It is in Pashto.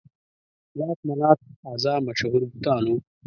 لات، منات، عزا مشهور بتان وو.